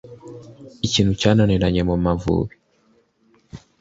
ikintu cyananiranye mu Mavubi